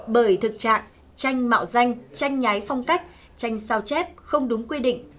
bởi thực trạng tranh mạo danh tranh nhái phong cách tranh sao chép không đúng quy định